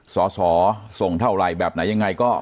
สอสอส่งเท่าไหร่แบบไหนยังไงก็